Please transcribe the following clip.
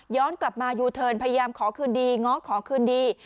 กลับมายูเทิร์นพยายามขอคืนดีง้อขอคืนดี